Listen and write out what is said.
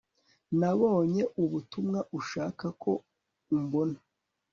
Nabonye ubutumwa ushaka ko umbona